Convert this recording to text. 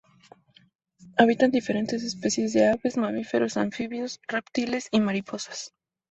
Habitan diferentes especies de aves, mamíferos, anfibios, reptiles y mariposas.